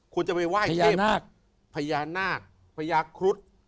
คุณจะไปไหว้เทพพญานาคพญาครุฑ